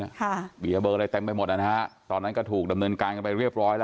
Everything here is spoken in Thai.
ค่ะเบียร์เบอร์อะไรเต็มไปหมดนะฮะตอนนั้นก็ถูกดำเนินการกันไปเรียบร้อยแล้ว